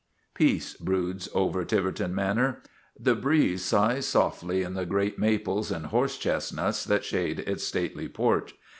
Peace broods over Tiverton Manor. The breeze sighs softly in the great maples and horse chestnuts that shade its stately porch.